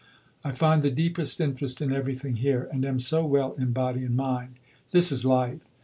I find the deepest interest in everything here, and am so well in body and mind. This is Life.